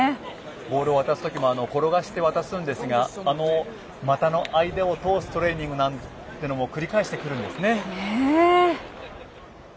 ボールを渡す時も転がして渡すんですが股の間を通すトレーニングも繰り返してるんですね。